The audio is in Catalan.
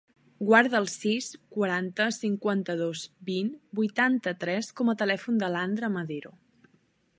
Guarda el sis, quaranta, cinquanta-dos, vint, vuitanta-tres com a telèfon de l'Andra Madero.